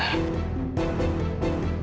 aku mau pulang